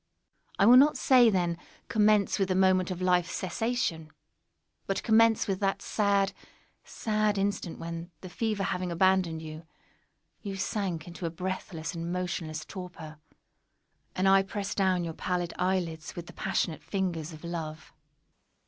I will not say, then, commence with the moment of life's cessation—but commence with that sad, sad instant when, the fever having abandoned you, you sank into a breathless and motionless torpor, and I pressed down your pallid eyelids with the passionate fingers of love.